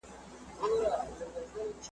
یا مي خدایه ژوند له آسه برابر کړې `